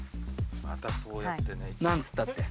またそうやって。